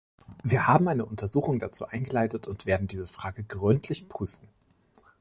Wir haben eine Untersuchung dazu eingeleitet und werden diese Frage gründlich prüfen.